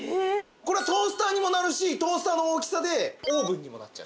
これはトースターにもなるしトースターの大きさでオーブンにもなっちゃう。